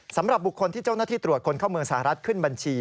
สำหรับบุคคลที่เจ้าหน้าที่ตรวจคนเข้าเมืองสหรัฐขึ้นบัญชี